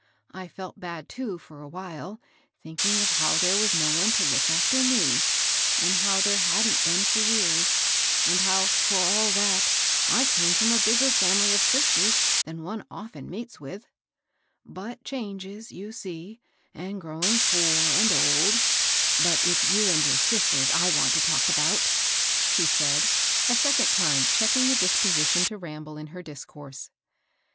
I felt bad, too, for a while, thinking how there was no one to look after me, and how there hadn't been for years, and how, for all that, I came from a bigger &mily of sisters than one often meets with ; but changes, you see, and growing poor and old, — but it's you and your sisters I want to talk about," she said, a seccmd tune checking the dispo sition to ramble in her discourse.